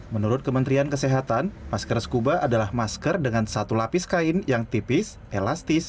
menurut kementerian kesehatan masker scuba adalah masker dengan satu lapis kain yang tipis elastis